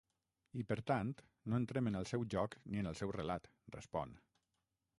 I, per tant, no entrem en el seu joc ni el seu relat, respon.